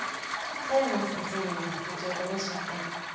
佐山先生にまで愚痴をこぼしちゃって。